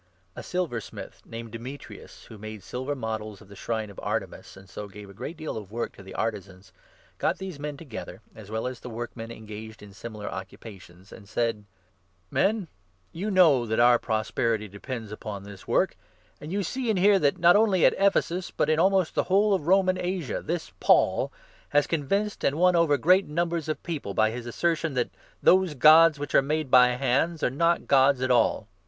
A silversmith named Demetrius, 24 Ephesus. wno made silver models of the shrine of Artemis, and so gave a great deal of work to the artisans, got these 25 men together, as well as the workmen engaged in similar occupations, and said : "Men, you know that our prosperity depends upon this 252 THE ACTS, 19 2O. work, and you see and hear that not only at Ephesus, but 26 in almost the whole of Roman Asia, this Paul has convinced and won over great numbers of people, by his assertion that those Gods which are made by hands are not Gods at all.